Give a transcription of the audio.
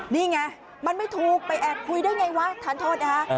นี่ไงมันไม่ถูกไปแอบคุยได้ไงวะทานโทษนะคะ